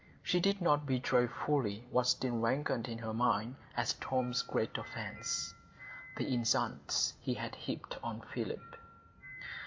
She did not betray fully what still rankled in her mind as Tom's great offence,—the insults he had heaped on Philip.